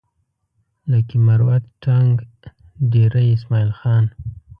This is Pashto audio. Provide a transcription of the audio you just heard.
لکي مروت ټانک ډېره اسماعيل خان